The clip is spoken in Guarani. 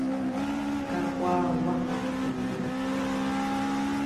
Kakuaagua.